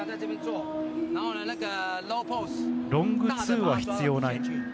ロングツーは必要ない。